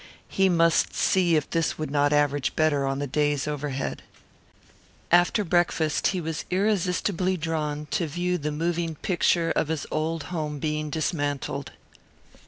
He must see if this would not average better on the day's overhead. After breakfast he was irresistibly drawn to view the moving picture of his old home being dismantled.